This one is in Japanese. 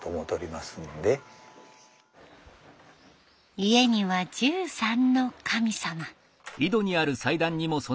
家には１３の神様。